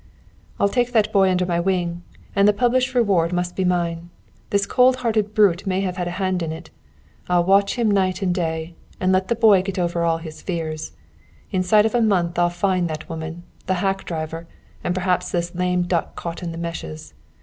"I'll take that boy under my wing; and the published reward must be mine. This cold hearted brute may have had a hand in it. I'll watch him night and day, and let the boy get over all his fears. Inside of a month I'll find that woman, the hack driver, and perhaps this lame duck caught in the meshes.